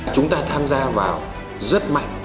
chúng ta tham gia vào rất mạnh